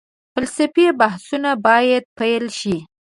فلسفي بحثونه باید پيل شي.